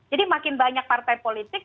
jadi makin banyak partai politik